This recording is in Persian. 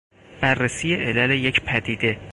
بررسی علل یک پدیده